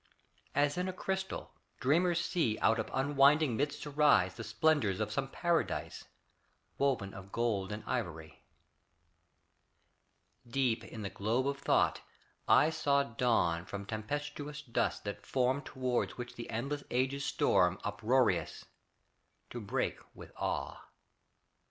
As in a crystal dreamers see Out of unwinding mists arise The splendors of some paradise Woven of gold and ivory; Deep in the globe of thought I saw Dawn from tempestuous dust that form Toward which the endless ages storm Uproarious to break with awe.